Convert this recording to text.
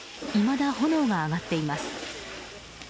いまだ炎が上がっています。